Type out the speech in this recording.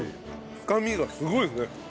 深みがすごいですね。